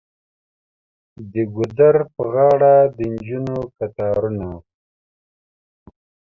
د ګودر په غاړه د نجونو کتارونه.